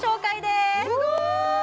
すごーい！